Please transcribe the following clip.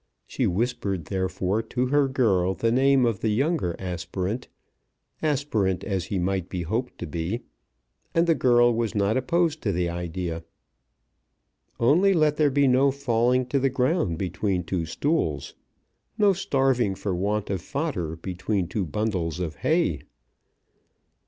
She whispered therefore to her girl the name of the younger aspirant, aspirant as he might be hoped to be, and the girl was not opposed to the idea. Only let there be no falling to the ground between two stools; no starving for want of fodder between two bundles of hay!